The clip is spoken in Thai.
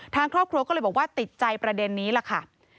ทางครอบครัวก็เลยบอกว่าติดใจประเด็นนี้ล่ะค่ะ